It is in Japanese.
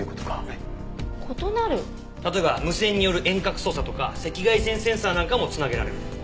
例えば無線による遠隔操作とか赤外線センサーなんかも繋げられる。